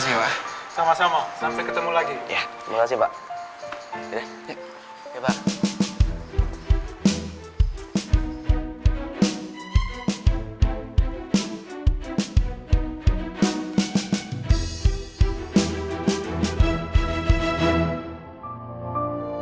yi yaw beli rato